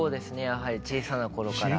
やはり小さな頃から。